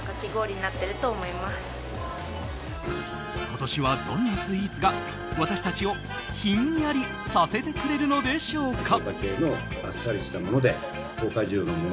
今年はどんなスイーツが私たちをひんやりさせてくれるのでしょうか。